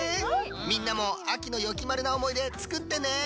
みんなも秋のよきまるなおもいで作ってね。